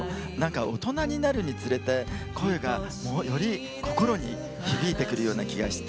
大人になるにつれて声がより心に響いてくるような気がして。